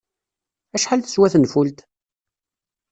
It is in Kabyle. Acḥal teswa tenfult?